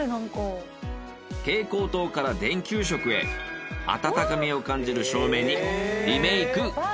蛍光灯から電球色へ温かみを感じる照明にリメイク完了。